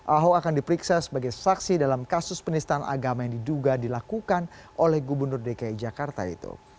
ahok akan diperiksa sebagai saksi dalam kasus penistaan agama yang diduga dilakukan oleh gubernur dki jakarta itu